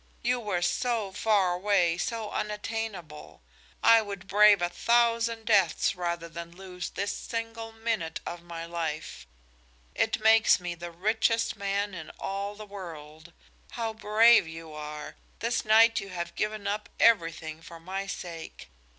You were so far away, so unattainable. I would brave a thousand deaths rather than lose this single minute of my life. It makes me the richest man in all the world. How brave you are! This night you have given up everything for my sake.